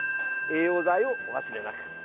栄養剤をお忘れなく。